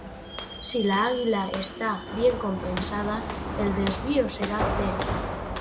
Si la aguja está bien compensada, el desvío será cero.